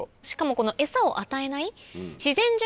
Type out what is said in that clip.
しかもエサを与えない。